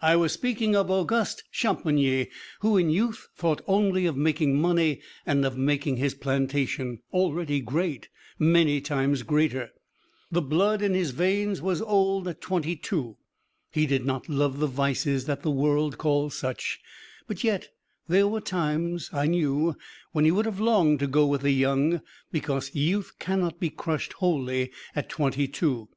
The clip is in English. I was speaking of Auguste Champigny, who in youth thought only of making money and of making his plantation, already great, many times greater. The blood in his veins was old at twenty two. He did not love the vices that the world calls such. But yet there were times, I knew, when he would have longed to go with the young, because youth cannot be crushed wholly at twenty two.